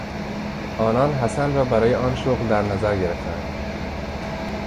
آنان حسن را برای آن شغل در نظر گرفته اند.